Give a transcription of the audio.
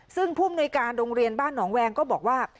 ซึ่งผู้มนุยการโรงเรียนบ้านหนองแวงก็บอกว่า